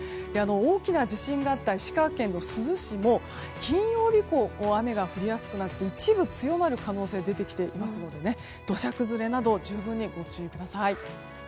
大きな地震があった石川県の珠洲市も金曜日以降雨が降りやすくなって一部強まる可能性が出てきていますので土砂崩れなど、十分にご注意ください。